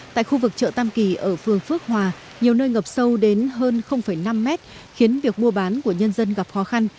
tại khu vực chợ tam kỳ ở phường phước hòa nhiều nơi ngập sâu đến hơn năm mét khiến việc mua bán của nhân dân gặp khó khăn